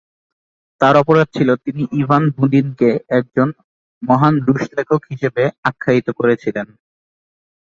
তার অপরাধ ছিল তিনি ইভান বুনিন-কে একজন "মহান রুশ লেখক" হিসেবে আখ্যায়িত করেছিলেন।